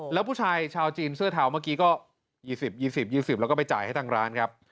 แล้วผู้ชายชาวจีนเสื้อเทาเมื่อกี้ก็ยี่สิบยี่สิบยี่สิบแล้วก็ไปจ่ายให้ทางร้านครับ